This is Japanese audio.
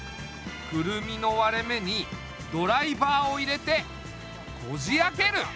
クルミの割れ目にドライバーを入れてこじ開ける。